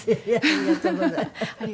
ありがとうございます。